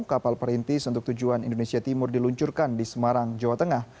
kapal perintis untuk tujuan indonesia timur diluncurkan di semarang jawa tengah